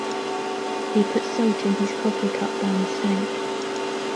He put salt in his coffee cup by mistake.